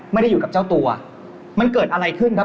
ไม่ได้อยู่กับเจ้าตัวมันเกิดอะไรขึ้นครับ